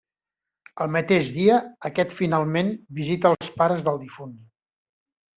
El mateix dia, aquest finalment visita als pares del difunt.